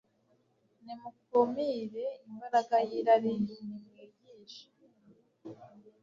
Nimukumire imbaraga yirari nimwigishe